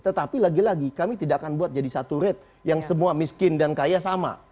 tetapi lagi lagi kami tidak akan buat jadi satu rate yang semua miskin dan kaya sama